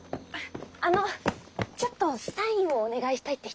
あのちょっとサインをお願いしたいって人が。